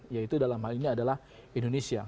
yaitu dalam hal ini adalah indonesia